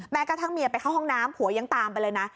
กระทั่งเมียไปเข้าห้องน้ำผัวยังตามไปเลยนะ